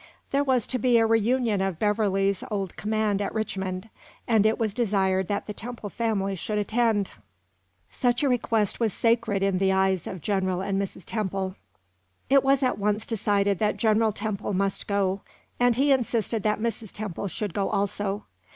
There was to be a reunion of Beverley's old command at Richmond, and it was desired that the Temple family should attend. Such a request was sacred in the eyes of General and Mrs. Temple. It was at once decided that General Temple must go, and he insisted that Mrs. Temple should go also.